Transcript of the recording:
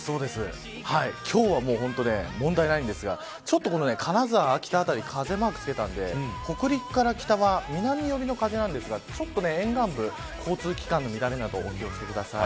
今日は問題ないんですがちょっと金沢、秋田あたり風マークつけたんで北陸から北は南よりの風なんですが沿岸部、交通機関の乱れなどお気を付けください。